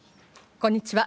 こんにちは。